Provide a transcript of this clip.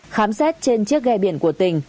khám xét trên chiếc ghe biển của tình